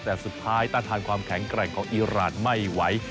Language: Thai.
แต่สุดท้ายต้านทานความแข็งแกร่งของอีรานไม่ไหว